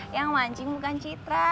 yang mancing bukan citra